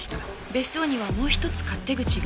別荘にはもう一つ勝手口があり